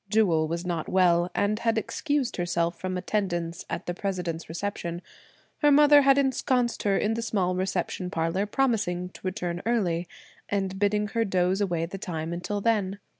Jewel was not well and had excused herself from attendance at the President's reception. Her mother had ensconced her in the small reception parlor promising to return early, and bidding her doze away the time until then.